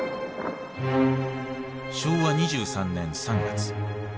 昭和２３年３月。